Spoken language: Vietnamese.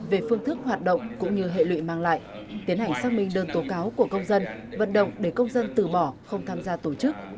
về phương thức hoạt động cũng như hệ lụy mang lại tiến hành xác minh đơn tố cáo của công dân vận động để công dân từ bỏ không tham gia tổ chức